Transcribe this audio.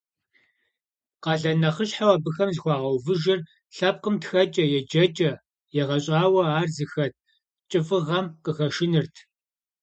Къалэн нэхъыщхьэу абыхэм зыхуагъэувыжыр лъэпкъым тхэкӏэ, еджэкӏэ егъэщӏауэ ар зыхэт кӏыфӏыгъэм къыхэшынырт.